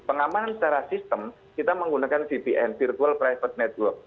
pengamanan secara sistem kita menggunakan vpn virtual private network